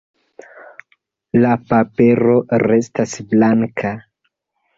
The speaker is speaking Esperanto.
La papero restas blanka.